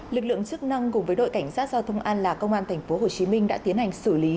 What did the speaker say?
lực lượng chức năng cùng với đội cảnh sát giao thông an lạc công an tp hcm đã tiến hành xử lý